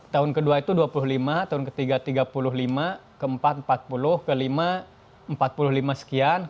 tahun kedua itu dua puluh lima tahun ketiga tiga puluh lima keempat empat puluh kelima empat puluh lima sekian